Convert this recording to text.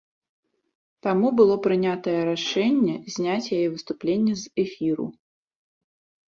Таму было прынятае рашэнне зняць яе выступленне з эфіру.